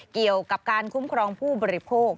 เกี่ยวกับการคุ้มครองผู้บริโภค